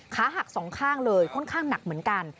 ขาหักสองข้างเลยค่อนข้างหนักเหมือนกัน